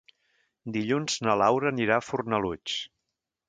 Dilluns na Laura anirà a Fornalutx.